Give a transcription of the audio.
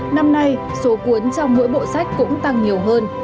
năm nay số cuốn trong mỗi bộ sách cũng tăng nhiều hơn